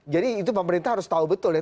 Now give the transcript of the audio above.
jadi itu pemerintah harus tahu betul ya